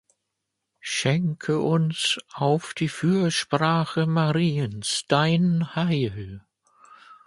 Schenke uns auf die Fürsprache Mariens Dein Heil.